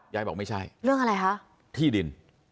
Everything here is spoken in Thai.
ยายบอกไม่ใช่เรื่องอะไรคะที่ดิน